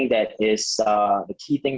hal utama yang berbeda adalah